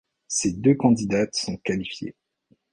Ces deux candidats sont qualifiés.